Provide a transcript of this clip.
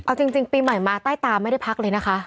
เอาจริงปีใหม่มาใต้ตาไม่ได้พักเลยนะคะ